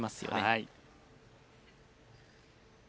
はい。